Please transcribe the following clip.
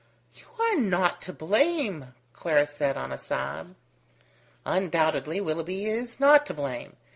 "You are not to blame," Clara said on a sob. "Undoubtedly Willoughby is not to blame.